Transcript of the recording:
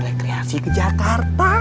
rekreasi ke jakarta